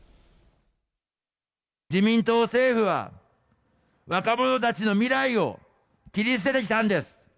自民党政府は、若者たちの未来を切り捨ててきたんです。